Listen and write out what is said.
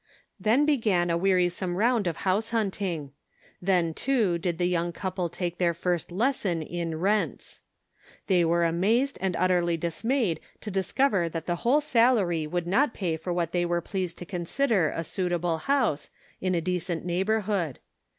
Then began a wearisome round of house hunt ing. Then too did the young couple take their first lesson in " rents." They were amazed and utterly dismayed to discover that the whole salary would not pay for what they were pleased to consider a suitable house, in a decent neigh borhood.